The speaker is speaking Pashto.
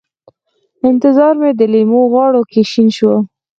انتظار مې د لېمو غاړو کې شین شو